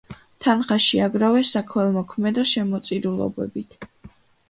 თანხა შეაგროვეს საქველმოქმედო შემოწირულობებით.